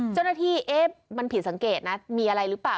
เจ้าหน้าที่เอ๊ะมันผิดสังเกตนะมีอะไรหรือเปล่า